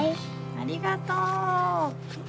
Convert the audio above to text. ありがとう。